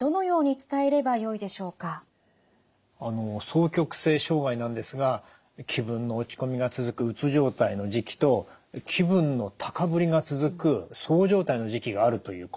双極性障害なんですが気分の落ち込みが続くうつ状態の時期と気分の高ぶりが続くそう状態の時期があるということでした。